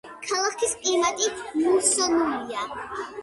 ქალაქის კლიმატი მუსონურია.